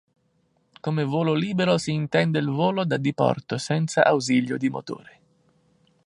Come volo libero si intende il volo da diporto senza ausilio di motore.